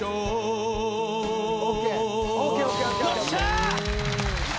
よっしゃ！